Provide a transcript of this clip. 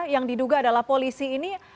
yang diduga adalah polisi ini